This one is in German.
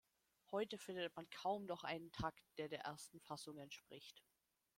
Heute findet man kaum noch einen Takt, der der ersten Fassung entspricht.